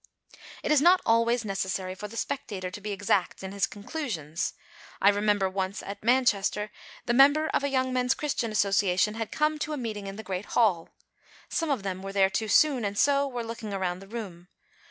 It is not always necessary for the spectator to be exact in his conclusions. I remember once at Manchester, the members of a Young Men's Christian Association had come to a meeting in the great hall. Some of them were there too soon, and so were looking round the room.